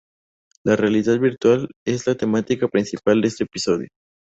La realidad virtual es la temática principal de este episodio.